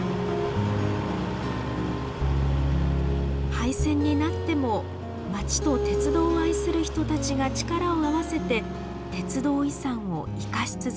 廃線になっても町と鉄道を愛する人たちが力を合わせて鉄道遺産を生かし続ける。